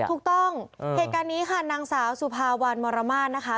ถูกต้องเหตุการณ์นี้ค่ะนางสาวสุภาวันมรมาศนะคะ